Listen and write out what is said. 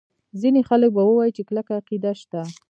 ځیني خلک به ووایي چې کلکه عقیده شته.